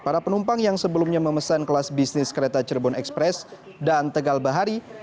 para penumpang yang sebelumnya memesan kelas bisnis kereta cirebon express dan tegal bahari